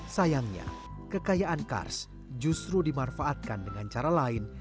sayangnya kekayaan kars justru dimanfaatkan dengan cara lain